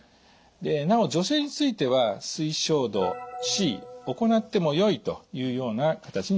なお女性については推奨度Ｃ行ってもよいというような形にしています。